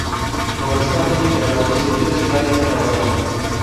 Moristaneke gerayî, çêtir e ji gayekî razayî.